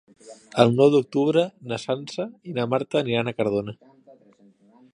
El nou d'octubre na Sança i na Marta aniran a Cardona.